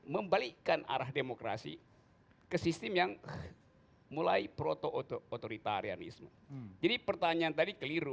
membalikkan arah demokrasi ke sistem yang mulai proto otoritarianisme jadi pertanyaan tadi keliru